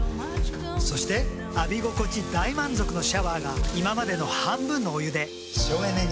そして浴び心地大満足のシャワーが今までの半分のお湯で省エネに。